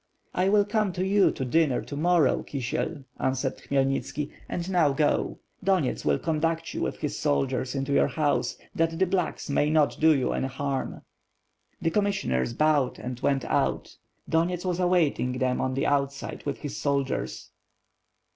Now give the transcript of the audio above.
"I will come to you to dinner to morow, Kisiel,'^ answered Khmyelnitski, "and now go. Donyets will conduct you with his soldiers into your house, that the T>lack8^ may not do you any harm." • The commissioners bowed and went out. Donyets was awaiting them on the outside with his soldiers.